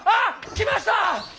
来ました！